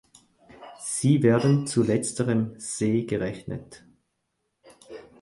Sie werden zu letzterem See gerechnet.